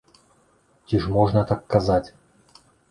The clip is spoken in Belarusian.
Ці ж можна так казаць?